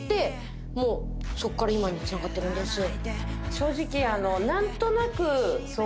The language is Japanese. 正直。